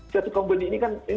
satu company ini kan